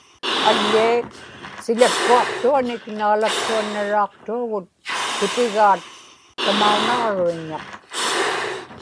aḷḷai, siḷakkuaqtuanik naalaktuannaraaqtuagut kipigaat tamaunaġruiññaq